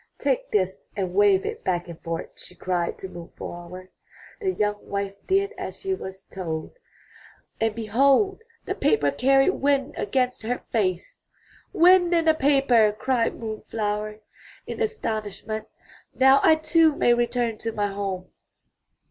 "Take this and wave it back and forth!" she cried to Moon flower. The young wife did as she was told, 274 UP ONE PAIR OF STAIRS and behold ! the paper carried wind against her face ! *'Wind in a paper!'' cried Moon flower in astonish ment. ''Now I too may return to my home!"